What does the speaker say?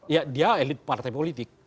ya dia elit partai politik